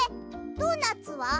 ドーナツは？